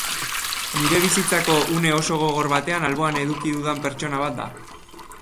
Nire bizitzako une oso gogor batean alboan eduki dudan pertsona bat da.